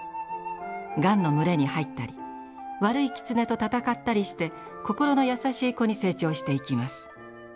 ガンの群れに入ったり悪いキツネと戦ったりして心の優しい子に成長していきます。